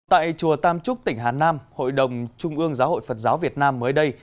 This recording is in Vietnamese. tại chùa tam trúc tỉnh hà nam hội đồng trung ương giáo hội phật giáo việt nam mới đây